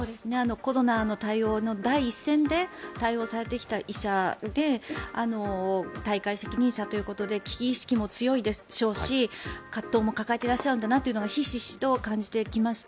コロナの対応の第一線で対応されてきた医者で大会責任者ということで危機意識も強いでしょうし葛藤も抱えていらっしゃるんだなというのがひしひしと感じてきました。